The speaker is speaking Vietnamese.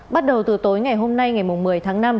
bắt đầu từ tối ngày hôm nay ngày một mươi tháng năm